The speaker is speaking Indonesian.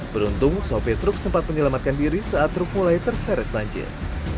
beruntung sopir truk sempat menyelamatkan diri saat truk mulai terseret banjir